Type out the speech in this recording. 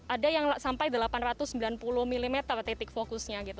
ada yang sampai delapan ratus sembilan puluh mm titik fokusnya gitu